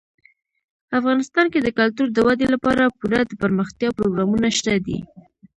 افغانستان کې د کلتور د ودې لپاره پوره دپرمختیا پروګرامونه شته دي.